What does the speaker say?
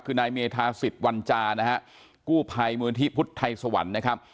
คือนายเมธาสิทธิวัญจานะฮะกู้ภัยมูลนิธิพุทธไทยสวรรค์นะครับ